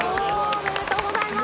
おめでとうございます。